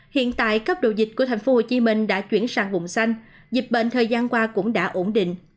hiện tại cấp độ dịch của tp hcm đã chuyển sang vùng xanh dịch bệnh thời gian qua cũng đã ổn định